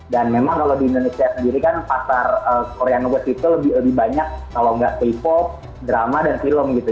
dan memang kalau di indonesia sendiri kan pasar korean west itu lebih banyak kalau nggak k pop drama dan film gitu